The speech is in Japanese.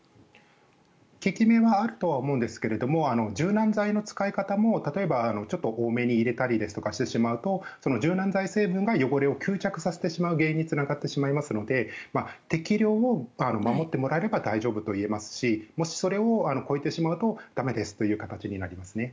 効き目はあると思うんですけど柔軟剤の使い方も例えば、ちょっと多めに入れてしまったりすると柔軟剤成分が汚れを吸着させてしまう原因につながってしまいますので適量を守ってもらえれば大丈夫と言えますしもし、それを超えてしまうと駄目ですという形になりますね。